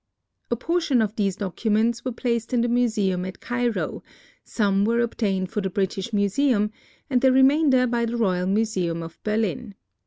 A portion of these documents were placed in the museum at Cairo, some were obtained for the British Museum, and the remainder by the Royal Museum of Berlin.